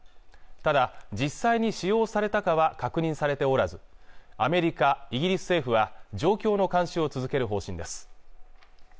ただ実際に使用されたかは確認されておらずアメリカ、イギリス政府は状況の監視を続ける方針です